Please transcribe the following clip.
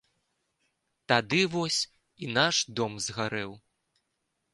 Тады вось і наш дом згарэў.